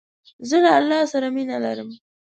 زه له الله ج سره مینه لرم.